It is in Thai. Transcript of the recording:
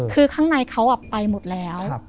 คือข้างในเขาไปหมดแล้ว